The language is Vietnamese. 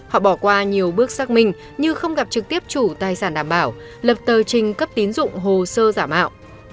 họ bỏ qua nhiều bước xác minh như không gặp trực tiếp chủ tài sản đảm bảo lập tờ trình cấp tín dụng hồ sơ giả mạo